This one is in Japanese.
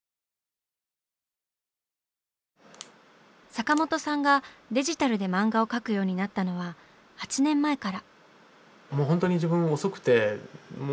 坂本さんがデジタルで漫画を描くようになったのは８年前から。